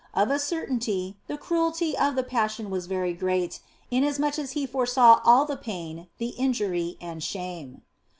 Of a certainty, the cruelty of the Passion was very great, inasmuch as He foresaw all the pain, the injury and shame.